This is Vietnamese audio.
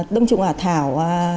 đồng trùng hạ thảo